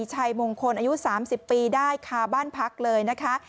ชัยมงคลอายุ๓๐ปีได้คาบ้านพักเลยนะคะ